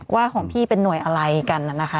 ว่าของพี่เป็นหน่วยอะไรกันนะคะ